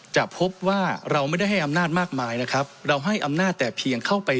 จะพบว่าเราไม่ได้ให้อำนาจมากมายนะครับเราให้อำนาจแต่เพียงเข้าไป